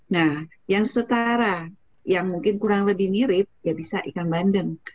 nah yang setara yang mungkin kurang lebih mirip ya bisa ikan bandeng